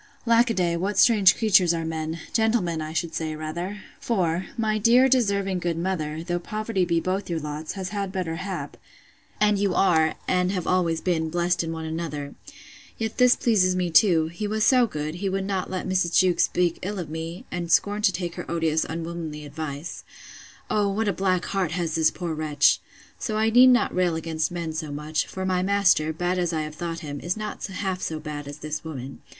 Lack a day, what strange creatures are men! gentlemen, I should say, rather! For, my dear deserving good mother, though poverty be both your lots, has had better hap, and you are, and have always been, blest in one another!—Yet this pleases me too; he was so good, he would not let Mrs. Jewkes speak ill of me, and scorned to take her odious unwomanly advice. O, what a black heart has this poor wretch! So I need not rail against men so much; for my master, bad as I have thought him, is not half so bad as this woman.